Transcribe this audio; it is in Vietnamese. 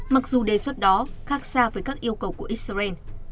mặc dù đề xuất đó khác xa với các yêu cầu của israel